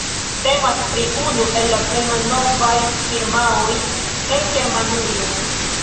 Temas pri unu de la plej malnovaj firmaoj en Germanujo.